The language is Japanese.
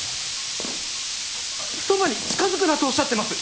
そばに近づくなとおっしゃってます！